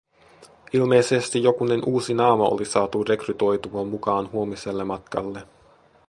Ilmeisesti jokunen uusi naama oli saatu rekrytoitua mukaan huomiselle matkalle.